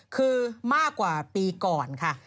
คือมากกว่าปีก่อนค่ะ